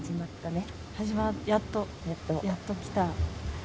やっと、やっときた。